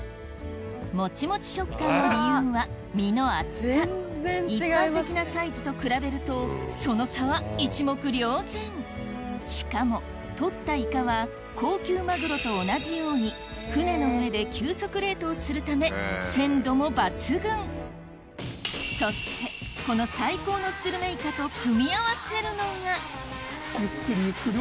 モチモチ食感の理由は身の厚さ一般的なサイズと比べるとその差は一目瞭然しかも取ったイカは鮮度も抜群そしてこの最高のスルメイカと組み合わせるのがゆっくりゆっくり。